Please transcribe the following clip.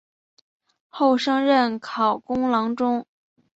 后升任考功郎中。